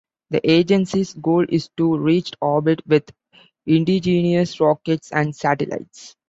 The agency's goal is to reach orbit with indigenous rockets and satellites.